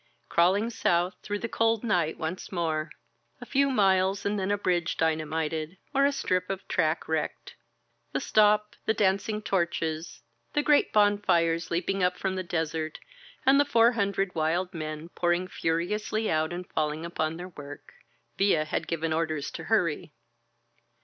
Crawling south through the cold night once more. ••• A few miles and then a bridge dynamited, or a strip of track wrecked. The stop, the dancing torches, the great bonfires leaping up from the desert, and the four hundred wild men pouring furiously out and fall ing upon their work. •.• Villa had given orders to hurry.